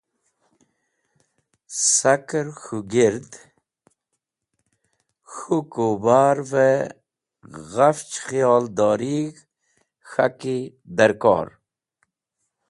Saker k̃hũ gird, k̃hũkuhbar’v-e ghafch khiyoldorig̃h k̃haki darkor.